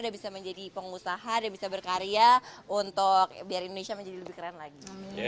dan bisa menjadi pengusaha dan bisa berkarya untuk biar indonesia menjadi lebih keren lagi